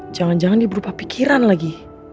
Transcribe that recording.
jangan jangan diberupa pikiran lagi